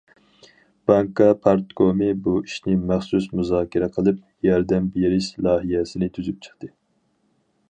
بانكا پارتكومى بۇ ئىشنى مەخسۇس مۇزاكىرە قىلىپ، ياردەم بېرىش لايىھەسىنى تۈزۈپ چىقتى.